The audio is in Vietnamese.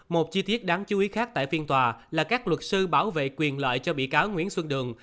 một chi tiết đáng chú ý khác tại phiên tòa là các luật sư bảo vệ quyền lợi cho bị cáo nguyễn xuân đường